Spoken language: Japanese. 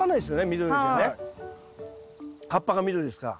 葉っぱが緑ですから。